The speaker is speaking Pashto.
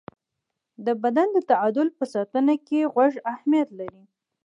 د بدن د تعادل په ساتنه کې غوږ اهمیت لري.